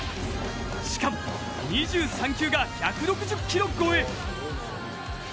しかも２３球が１６０キロ超え。